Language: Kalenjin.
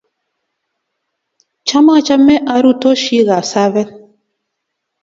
Cham achame arutoshi Kapsabet.